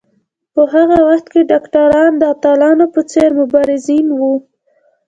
په هغه وخت کې ډاکټران د اتلانو په څېر مبارزین وو.